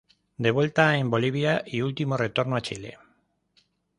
De vuelta en Bolivia y último retorno a Chile.